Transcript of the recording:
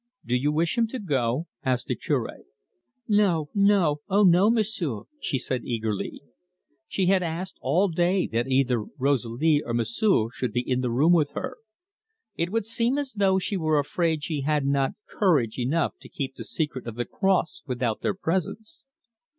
"Do you wish him to go?" asked the Cure. "No, no oh no, M'sieu'!" she said eagerly. She had asked all day that either Rosalie or M'sieu' should be in the room with her. It would seem as though she were afraid she had not courage enough to keep the secret of the cross without their presence.